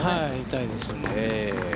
痛いですね。